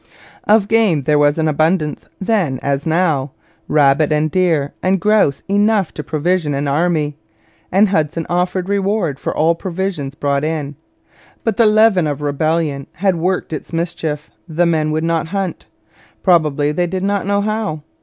Of game there was abundance then, as now rabbit and deer and grouse enough to provision an army; and Hudson offered reward for all provisions brought in. But the leaven of rebellion had worked its mischief. The men would not hunt. Probably they did not know how.